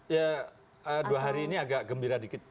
ya dua hari ini agak gembira dikit